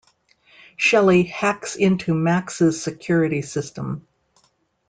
Shelly hacks into Max's security system.